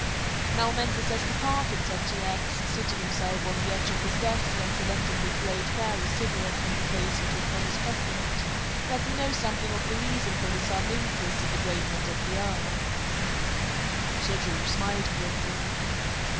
"Now Mansus has departed," said T. X., sitting himself on the edge of his desk and selecting with great care a cigarette from the case he took from his pocket, "let me know something of the reason for this sudden interest in the great ones of the earth." Sir George smiled grimly.